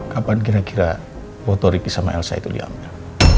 kapan kira kira foto ricky sama yelso itu diambil